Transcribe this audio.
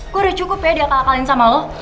gue udah cukup ya diakalkalin sama lo